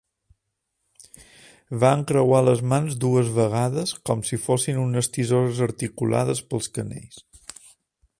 Va encreuar les mans dues vegades com si fossin unes tisores articulades pels canells.